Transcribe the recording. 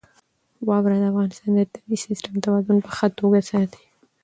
واوره د افغانستان د طبعي سیسټم توازن په ښه توګه ساتي.